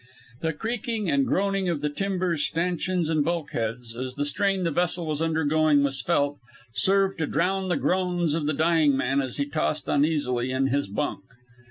The creaking and groaning of the timbers, stanchions, and bulkheads, as the strain the vessel was undergoing was felt, served to drown the groans of the dying man as he tossed uneasily in his bunk.